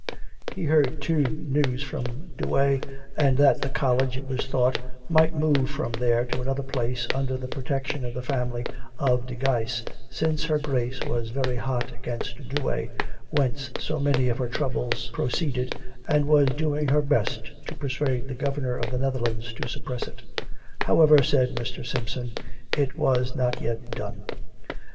He heard, too, news from Douay, and that the college, it was thought, might move from there to another place under the protection of the family of De Guise, since her Grace was very hot against Douay, whence so many of her troubles proceeded, and was doing her best to persuade the Governor of the Netherlands to suppress it. However, said Mr. Simpson, it was not yet done.